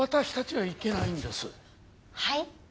はい？